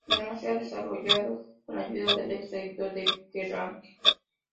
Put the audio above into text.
Además se ha desarrollado con la ayuda del ex editor de Kerrang!